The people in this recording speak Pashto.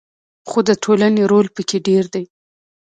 خو د ټولنې رول پکې ډیر دی.